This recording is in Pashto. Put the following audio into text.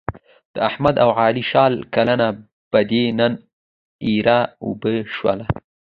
د احمد او علي شل کلنه بدي نن ایرې اوبه شوله.